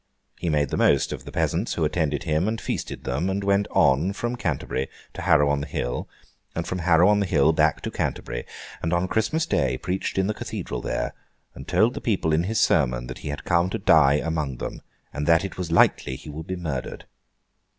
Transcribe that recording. He made the most of the peasants who attended him, and feasted them, and went from Canterbury to Harrow on the Hill, and from Harrow on the Hill back to Canterbury, and on Christmas Day preached in the Cathedral there, and told the people in his sermon that he had come to die among them, and that it was likely he would be murdered.